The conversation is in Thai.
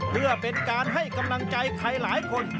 เพื่อเป็นการให้กำลังใจใครหลายคน